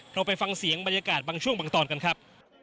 เราไปฟังเสียงบรรยากาศบางช่วงบางตอนกันครับ